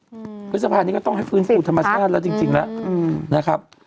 อืมพฤษภานนี้ก็ต้องให้ฟื้นฝูนธรรมชาติแล้วจริงแล้วนะครับ